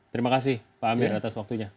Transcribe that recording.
terima kasih pak amir atas waktunya